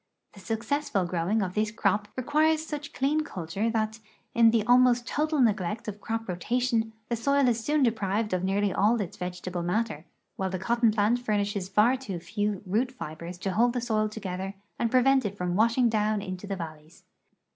The successful fjrowing of this crop requires such clean culture that, in the almost total neglect of croj) rotation, the soil is soon deprive<l of nearly all its vegetable matter, while the cotton plant furnishes far too few root fibers to hold the Soil together and prevent it from washing down into the valleys.